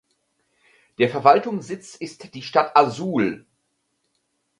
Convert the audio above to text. Der Verwaltungssitz ist die Stadt Azul.